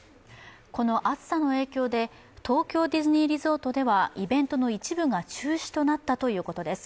この暑さの影響で東京ディズニーリゾートではイベントの一部が中止となったということです。